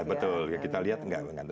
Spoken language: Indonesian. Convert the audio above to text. betul kita lihat nggak mengantuk